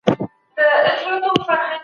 کوتري د غنمو تر خوړلو وروسته البوهمېشهې.